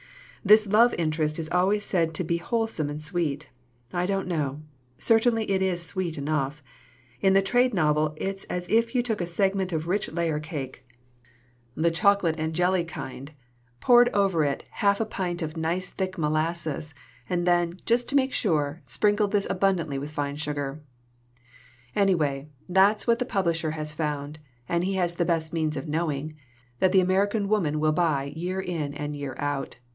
"This love interest is always said to be whole some and sweet. I don't know. Certainly it is sweet enough. In the trade novel it's as if you took a segment of rich layer cake, the chocolate and jelly kind, poured over it a half pint of nice thick molasses, and then, just to make sure, sprinkled this abundantly with fine sugar. 102 SOME HARMFUL INFLUENCES " Any way, that's what the publisher has found and he has the best means of knowing that the American woman will buy year in and year out.